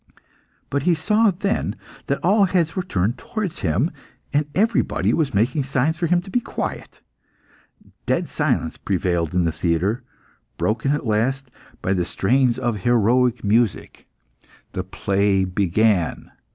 But he saw then that all heads were turned towards him, and everybody was making signs for him to be quiet. Dead silence prevailed in the theatre, broken at last by the strains of heroic music. The play began.